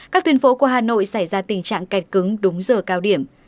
các tuyến phố của hà nội xảy ra tình trạng cạch cứng đúng giờ cao điểm